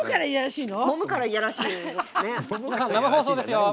もむから嫌らしいんですね。